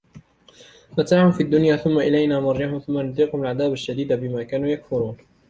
متاع في الدنيا ثم إلينا مرجعهم ثم نذيقهم العذاب الشديد بما كانوا يكفرون